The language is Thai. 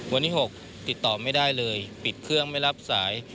วันที่๖ติดต่อไม่ได้เลยปิดเครื่องไม่รับสาย